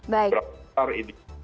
berapa besar ini